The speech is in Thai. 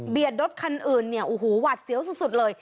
เบียดรถคันอื่นโอ้โหหวัดเสียวสุดเลย